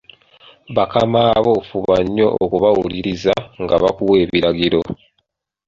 Bakamaabo fuba nnyo okubawuliririza nga bakuwa ebiragiro.